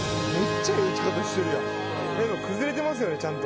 でも崩れてますよねちゃんと。